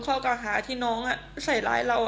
นะครบต้นถามว่าต้องตาย